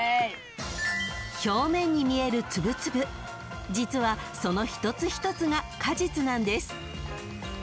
［表面に見えるツブツブ実はその一つ一つが果実なんです］